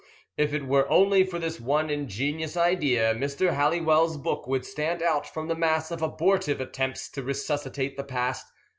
If it were only for this one ingenious idea, Mr. Halliwell's book would stand out from the mass of abortive attempts to resuscitate the past.